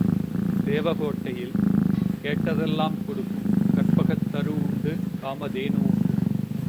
தேவகோட்டையில், கேட்டதெல்லாம் கொடுக்கும் கற்பகத்தரு உண்டு காமதேனு உண்டு.